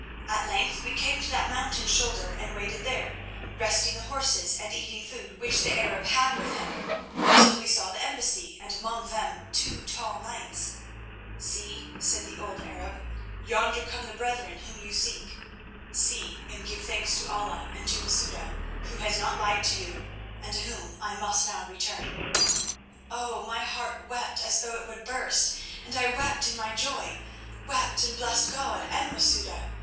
At length we came to that mountain shoulder and waited there, resting the horses and eating food which the Arab had with him, till we saw the embassy, and among them two tall knights. "'See,' said the old Arab, 'yonder come the brethren whom you seek. See and give thanks to Allah and to Masouda, who has not lied to you, and to whom I must now return.' "Oh! my heart wept as though it would burst, and I wept in my joy—wept and blessed God and Masouda.